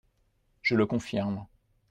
Je le confirme.